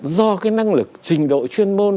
do cái năng lực trình độ chuyên môn